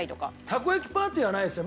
たこ焼きパーティーはないですね。